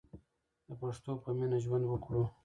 د پښتو په مینه ژوند وکړو.